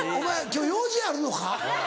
今日用事あるのか？